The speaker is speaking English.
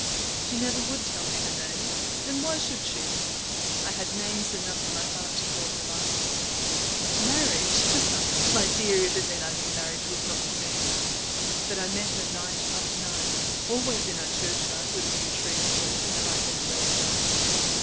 "She never would tell me her name, and why should she? I had names enough in my heart to call her by. Marriage? My dear, even then I knew marriage was not for me. But I met her night after night, always in our churchyard where the yew trees were and the lichened gravestones.